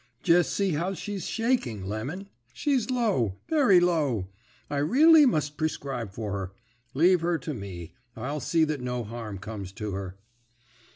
'Jest see how she's shaking. Lemon. She's low, very low; I really must prescribe for her. Leave her to me. I'll see that no harm comes to her.'